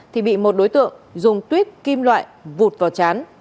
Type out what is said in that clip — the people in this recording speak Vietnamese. thì bị một đối tượng dùng tuyết kim loại vụt vào chán